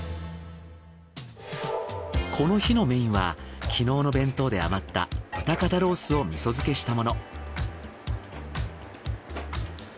この日のメーンは昨日の弁当で余った豚肩ロースを味噌漬けしたもの。